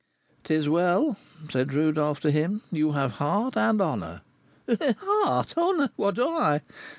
"'Tis well," said Rodolph to him, "you have heart and honour." "Heart? honour? what, I?